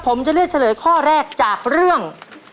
ผมจะเลือกเฉลยข้อแรกจากเรื่อง